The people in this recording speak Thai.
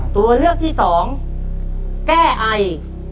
ตัวเลือกที่สองแก้ไอ